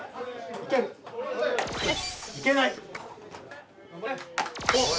いけない。